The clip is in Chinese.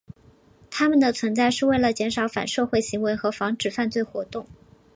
他们的存在是为了减少反社会行为和防止犯罪活动。